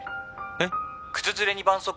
えっ？